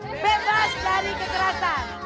anak indonesia bebas dari kekerasan